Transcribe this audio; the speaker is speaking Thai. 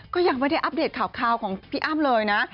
ก็ยังไม่ได้อัปเดตข่าวของพี่อ้ำเลยนะ